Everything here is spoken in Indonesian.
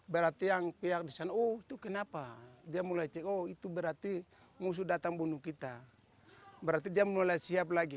berarti yang pihak di sana oh itu kenapa dia mulai cek oh itu berarti musuh datang bunuh kita berarti dia mulai siap lagi